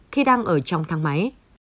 khi đang ở trong thang máy